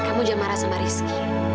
kamu jangan marah sama rizky